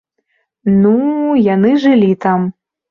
Ну, яны жылі там.